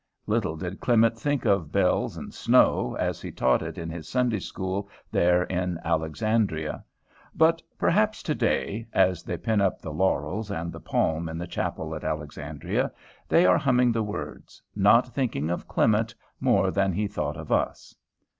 Little did Clement think of bells and snow, as he taught it in his Sunday school there in Alexandria. But perhaps to day, as they pin up the laurels and the palm in the chapel at Alexandria, they are humming the words, not thinking of Clement more than he thought of us.